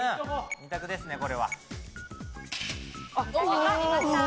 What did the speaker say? ２択ですねこれは。うお！